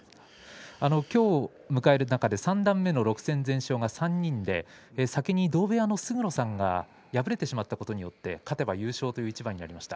きょうを、迎える中で三段目の６戦全勝が３人で先に同部屋の勝呂さんが敗れてしまったことによって勝てば優勝という一番になりました。